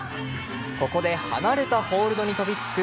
ここで離れたホールドに飛びつく